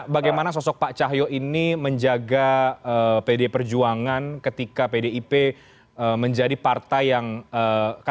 bagaimana sosok pak cahyo ini menjaga pid perjuangan ketika pdip pdip dan pdip berada di luar pemerintahan ya mas susirwan